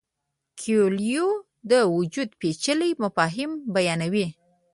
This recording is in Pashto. کویلیو د وجود پیچلي مفاهیم بیانوي.